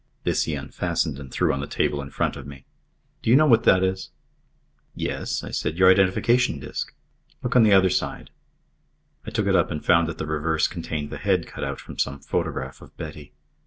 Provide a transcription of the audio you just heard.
This he unfastened and threw on the table in front of me. "Do you know what that is?" "Yes," said I. "Your identification disc." "Look on the other side." I took it up and found that the reverse contained the head cut out from some photograph of Betty.